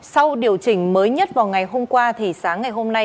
sau điều chỉnh mới nhất vào ngày hôm qua